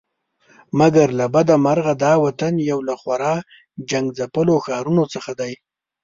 مګر له بده مرغه دا وطن یو له خورا جنګ ځپلو ښارونو څخه دی.